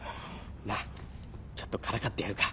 なあちょっとからかってやるか？